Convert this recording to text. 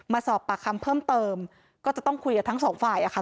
มาสอบปากคำเพิ่มเติมก็จะต้องคุยกับทั้งสองฝ่ายอะค่ะ